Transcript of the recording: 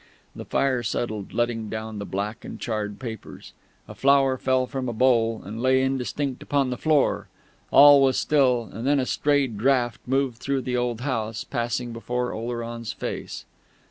The fire settled, letting down the black and charred papers; a flower fell from a bowl, and lay indistinct upon the floor; all was still; and then a stray draught moved through the old house, passing before Oleron's face....